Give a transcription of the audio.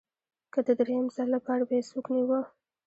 که د درېیم ځل لپاره به یې څوک نیوه